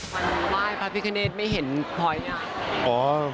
ว่ายพระพิการ์เนธไม่เห็นพลอยนะ